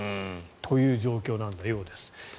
という状況のようです。